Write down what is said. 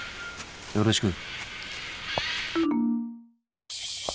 よろしく。